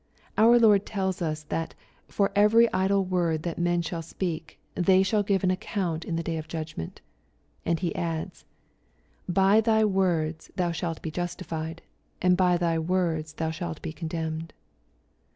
Our Lord tells us, that " for every idle word that men shall speak, they shall give account in the day of judgment." And He adds, " By thy words thou shalt be justified, and by thy words thou shalt be condemned."